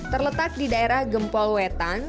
terletak di daerah gempol wetan